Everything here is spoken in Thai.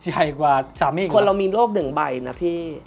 ใหญ่กว่าสามีอีกคนเรามีโรคหนึ่งใบนะพี่